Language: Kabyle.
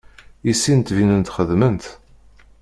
I sin ttbinen-d xedmen-tt.